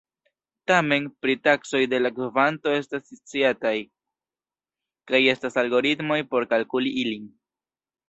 Tamen, pritaksoj de la kvanto estas sciataj, kaj estas algoritmoj por kalkuli ilin.